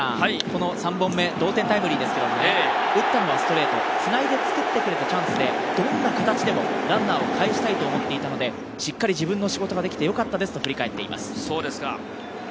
３本目、同点タイムリーですが、打ったのはストレート、つないで作ってくれたチャンスでどんな形でもランナーをかえしたいと思っていたので、しっかり自分の仕事ができてよかったですと振り返っていました。